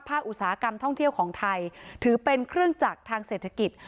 อุตสาหกรรมท่องเที่ยวของไทยถือเป็นเครื่องจักรทางเศรษฐกิจ